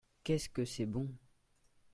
Qu'est-ce que c'est bon !